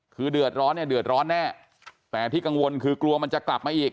คือเดือดร้อนเนี่ยเดือดร้อนแน่แต่ที่กังวลคือกลัวมันจะกลับมาอีก